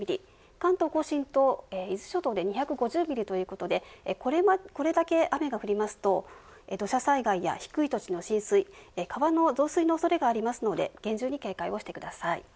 関東甲信と伊豆諸島で２５０ミリということでこれだけ雨が降りますと土砂災害や低い土地の浸水川の増水の恐れがありますので厳重に警戒をしてください。